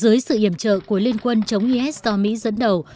dưới sự iểm trợ của liên quân chống is do mỹ dẫn đầu